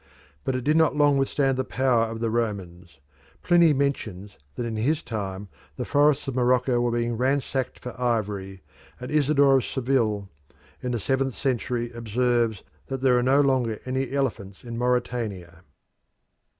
But it did not long withstand the power of the Romans. Pliny mentions that in his time the forests of Morocco were being ransacked for ivory, and Isidore of Seville, in the seventh century observes that "there are no longer any elephants in Mauritania."